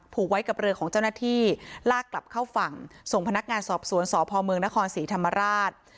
ผูกไว้กับเรือของเจ้าหน้าที่ลากกลับเข้าฝั่งส่งพนักงานสอบสวนสพเมืองนครศรีธรรมราช